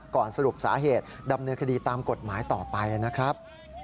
สรุปสาเหตุดำเนินคดีตามกฎหมายต่อไปนะครับ